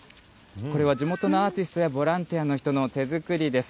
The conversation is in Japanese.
これは地元のアーティストやボランティアの人の手作りです。